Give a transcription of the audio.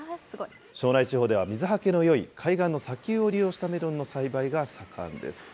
庄内地方では水はけのよい海岸の砂丘を利用したメロンの栽培が盛んです。